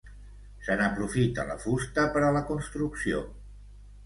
Se n'aprofita la fusta per a la construcció.